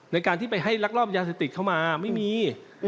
ในการที่ไปให้ลักลอบยาเสพติดเข้ามาไม่มี